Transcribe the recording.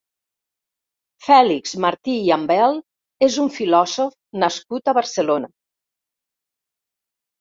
Fèlix Martí i Ambel és un filòsof nascut a Barcelona.